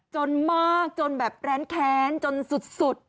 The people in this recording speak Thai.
จนมากจนแบบแปรแคนจนสุดสุด